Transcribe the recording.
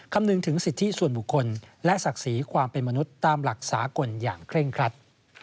คำนึงถึงสิทธิส่วนบุคคลและศักดิ์ศรีความเป็นมนุษย์ตามหลักสากลอย่างเคร่งครัด